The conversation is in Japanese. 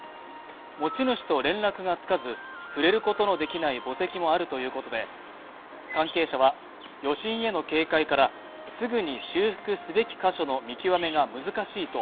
持ち主と連絡がつかず、触れることのできない墓石もあるということで、関係者は、余震への警戒からすぐに修復すべき箇所の見極めが難しいと